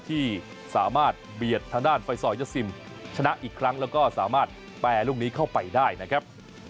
ที่สามารถเบียดทางด้านไฟซอลยะซิมชนะอีกครั้งแล้วก็สามารถแปรลูกนี้เข้าไปได้นะครับ